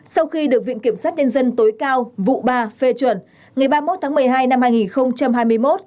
sau khi được viện kiểm sát nhân dân tối cao vụ ba phê chuẩn ngày ba mươi một tháng một mươi hai năm hai nghìn hai mươi một